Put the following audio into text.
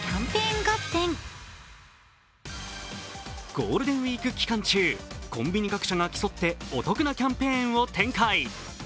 ゴールデンウイーク期間中、コンビニ各社が競ってお得なキャンペーンを展開。